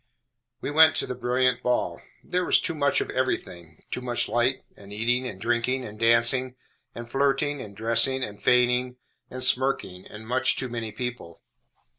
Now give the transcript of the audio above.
We went to the brilliant ball. There was too much of everything. Too much light, and eating, and drinking, and dancing, and flirting, and dressing, and feigning, and smirking, and much too many people.